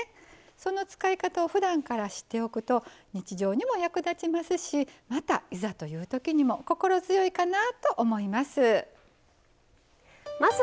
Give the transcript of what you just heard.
その使い方をふだんから知っていると日常にも役立ちますしまた、いざというときにも心強いかなと思います。